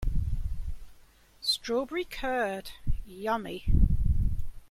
Strawberry curd, yummy!